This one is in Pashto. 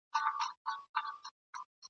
نه چي سهار کیږي له آذان سره به څه کوو ..